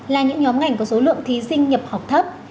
là những nhóm ngành có số lượng thí sinh nhập học thấp